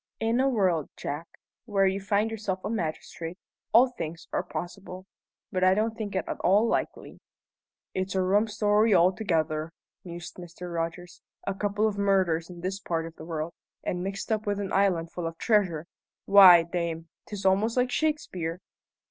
"In a world, Jack, where you find yourself a magistrate, all things are possible. But I don't think it at all likely." "It's a rum story altogether," mused Mr. Rogers. "A couple of murders in this part of the world, and mixed up with an island full of treasure! Why, damme, 'tis almost like Shakespeare!"